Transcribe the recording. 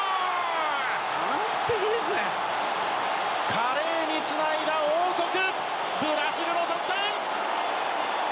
華麗につないだ王国ブラジルの得点。